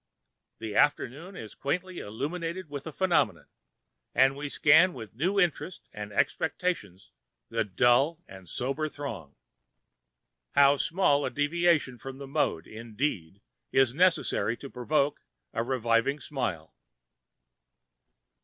The afternoon is quaintly illuminated with a phenomenon, and we scan with new interest and expectation the dull and sombre throng. How small a deviation from the mode, indeed, is necessary to provoke a revivifying smile!